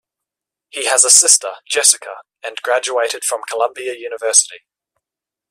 He has a sister, Jessica, and graduated from Columbia University.